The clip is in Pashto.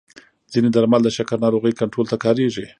ځینې درمل د شکر ناروغۍ کنټرول ته کارېږي.